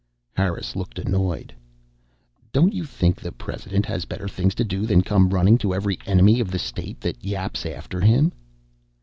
Harris looked annoyed. "Don't you think the President has better things to do than come running to every enemy of the state that yaps after him?"